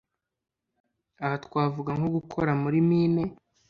aha twavuga nko gukora muri mine,